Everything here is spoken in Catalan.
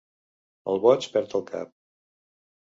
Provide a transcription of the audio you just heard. El boig perd el cap.